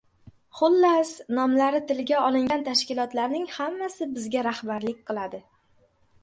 Xullas nomlari tilga olingan tashkilotlarning hammasi bizga rahbarlik qiladi.